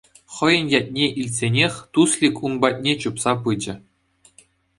Хӑйӗн ятне илтсенех Туслик ун патне чупса пычӗ.